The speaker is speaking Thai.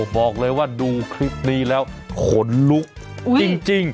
บอกเลยว่าดูคลิปนี้แล้วขนลุกจริง